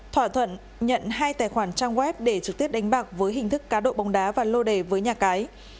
thỏa thuận nhận hai tài khoản trang web để trực tiếp đánh bạc với hình thức cá độ bóng đá và lô đề với nhà cái